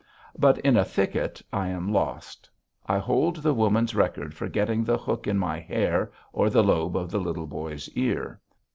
But in a thicket I am lost. I hold the woman's record for getting the hook in my hair or the lobe of the Little Boy's ear.